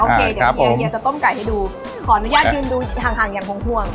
เดี๋ยวเฮียจะต้มไก่ให้ดูขออนุญาตยืนดูห่างอย่างห่วง